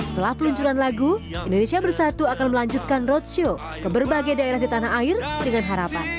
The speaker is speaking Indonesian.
setelah peluncuran lagu indonesia bersatu akan melanjutkan roadshow ke berbagai daerah di tanah air dengan harapan